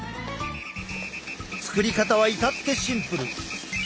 作り方は至ってシンプル。